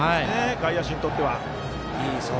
外野手にとっては。